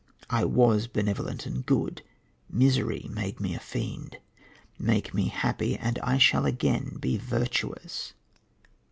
I was benevolent and good; misery made me a fiend. Make me happy, and I shall again be virtuous."